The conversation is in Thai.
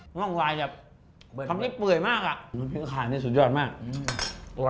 น่องรายแบบทำให้เปื่อยมากอ่ะอื้อชิ้นขาดเนี่ยสุดยอดมากอื้อ